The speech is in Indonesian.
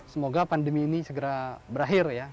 semoga pandemi ini segera berakhir ya